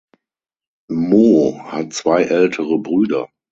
Mo hat zwei ältere Brüder.